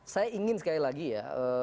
saya ingin sekali lagi ya